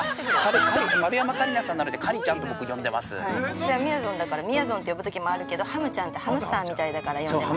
◆私はみやぞんだから、みやぞんって呼ぶときもあるけどハムちゃんってハムスターみたいだから呼んでます。